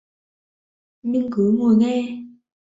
nhưng cứ ngồi nghe